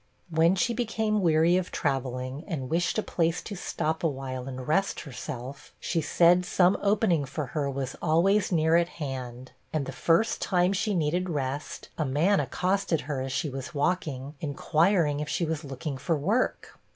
When she became weary of travelling, and wished a place to stop a while and rest herself, she said some opening for her was always near at hand; and the first time she needed rest, a man accosted her as she was walking, inquiring if she was looking for work.